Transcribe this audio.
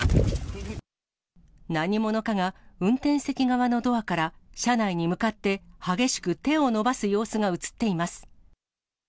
何者かが運転席側のドアから車内に向かって激しく手を伸ばす様子が写っています。